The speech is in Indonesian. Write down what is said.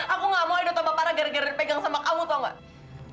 aku gak mau ido tambah parah gara gara dia pegang sama kamu tau gak